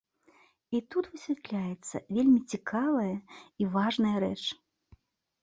І тут высвятляецца вельмі цікавая і важная рэч.